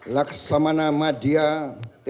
laksamana madia mada